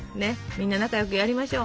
みんな仲良くやりましょう。